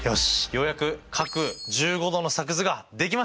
ようやく角１５°の作図が出来ました！